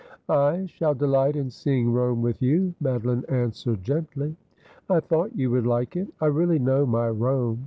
' I shall delight in seeing Rome with you,' Madeline answered gently. ' 1 thought you would like it. I really know my Rome.